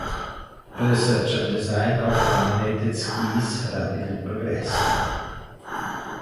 Research and design of laminated skis rapidly progressed.